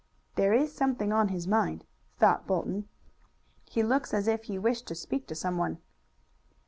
"There is something on his mind," thought Bolton. "He looks as if he wished to speak to some one."